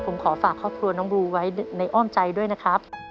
ผมขอฝากครอบครัวน้องบลูไว้ในอ้อมใจด้วยนะครับ